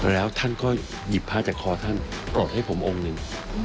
แล้วท่านก็หยิบผ้าจากคอท่านกรดให้ผมองค์หนึ่ง